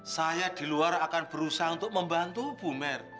saya di luar akan berusaha untuk membantu bumer